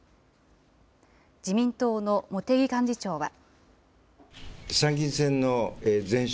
自民党の茂木幹事長は。